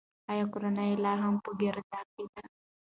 آیا کورنۍ یې لا هم په کارېز کې ده؟